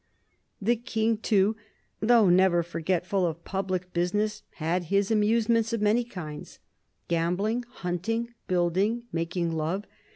The King too, though never forgetful of public business, had his amusements of many kinds — gambling, hunting, building, making love.